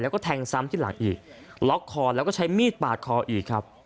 แล้วก็แทงซ้ำที่หลังอีกล็อกคอแล้วก็ใช้มีดปาดคออีกครับ